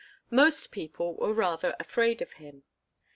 Most people were rather afraid of him.